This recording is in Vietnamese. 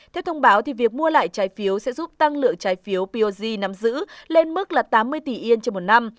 theo thông báo việc mua lại trái phiếu sẽ giúp tăng lượng trái phiếu boj nắm giữ lên mức tám mươi tỷ yen trong một năm